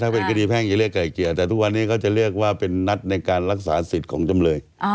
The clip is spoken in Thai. เป็นคดีแพ่งจะเรียกไก่เกลี่ยแต่ทุกวันนี้เขาจะเรียกว่าเป็นนัดในการรักษาสิทธิ์ของจำเลย